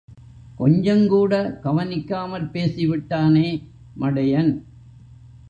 கொஞ்சங்கூட கவனிக்காமல் பேசிவிட்டானே.......... மடையன்.